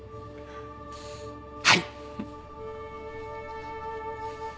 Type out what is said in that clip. はい！